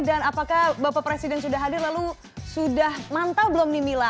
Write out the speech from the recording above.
dan apakah bapak presiden sudah hadir lalu sudah mantap belum nih mila